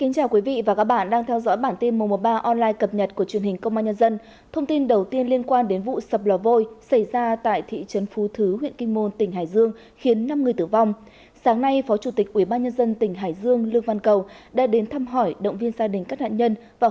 các bạn hãy đăng ký kênh để ủng hộ kênh của chúng mình nhé